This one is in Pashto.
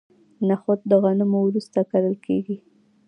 نخود د غنمو وروسته کرل کیږي.